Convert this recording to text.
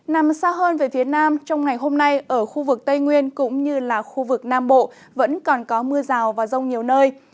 nằm xa hơn về phía nam trong ngày hôm nay ở khu vực tây nguyên cũng như là khu vực nam bộ vẫn còn có mưa rào và rông nhiều nơi